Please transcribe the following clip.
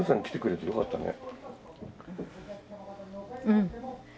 うん。